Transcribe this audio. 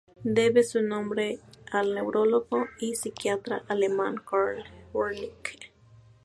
Debe su nombre al neurólogo y psiquiatra alemán Karl Wernicke.